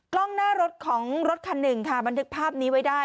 กล้องหน้ารถของรถคันหนึ่งค่ะบันทึกภาพนี้ไว้ได้